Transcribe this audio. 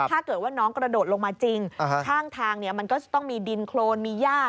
ถ้าเกิดว่าน้องกระโดดลงมาจริงข้างทางมันก็จะต้องมีดินโครนมีย่า